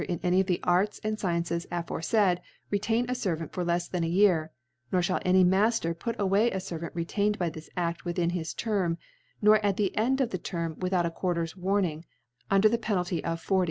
i any of the ArJS and Sciences aforeiiiid, retain a Servant for lefs than a Year +; nor fliall any Mafter put away a Servant retained by this Aft within his Term, nor at the End of the Term without a Qijartcr*s Warning, un der the Penalty of ^C>s.